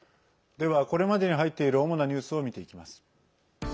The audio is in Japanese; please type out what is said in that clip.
では、これまでに入っている主なニュースを見ていきます。